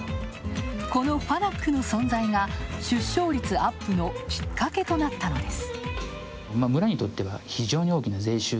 このファナックの存在が出生率アップのきっかけとなったのです。